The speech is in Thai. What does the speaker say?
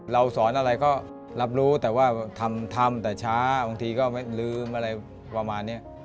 เราสอนอะไรก็รับรู้แต่ว่าทำแต่ช้าบางทีก็ไม่ลืมอะไรประมาณนี้